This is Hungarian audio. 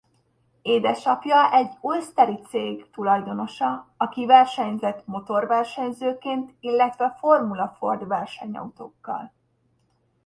Édesapja egy Ulsteri cég tulajdonosa aki versenyzett motorversenyzőként illetve Formula Ford versenyautókkal.